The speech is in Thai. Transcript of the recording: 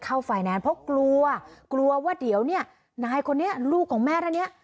ไฟแนนซ์เพราะกลัวกลัวว่าเดี๋ยวเนี่ยนายคนนี้ลูกของแม่ท่านเนี้ย